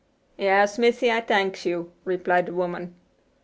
"Yas, Missy, I thanks you," replied the woman.